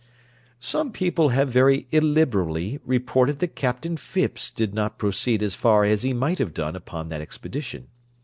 Some people have very illiberally reported that Captain Phipps did not proceed as far as he might have done upon that expedition.